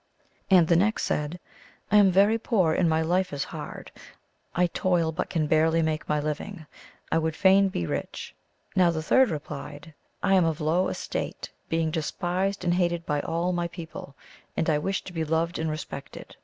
And the next said, " I am very poor, and my life is hard. I toil, but can barely make niy living. I would fain be rich." Now the third replied, " I am of low estate, being despised and hated by all my people, and I wish to be loved and respected."